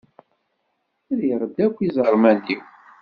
Rriɣ-d akk iẓerman-iw.